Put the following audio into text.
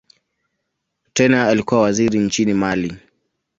Tena alikuwa waziri nchini Mali.